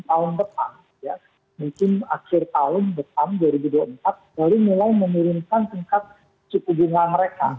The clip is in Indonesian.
tahun depan ya mungkin akhir tahun depan dua ribu dua puluh empat baru mulai menurunkan tingkat suku bunga mereka